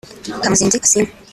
Kamuzinzi Kasim